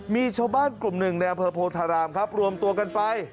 มีชาวบ้านกลุ่มหนึ่งในอำเภอโพธารามครับรวมตัวกันไป